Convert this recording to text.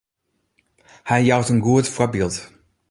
Hy jout in goed foarbyld.